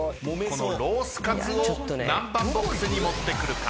このロースカツを何番ボックスに持ってくるか？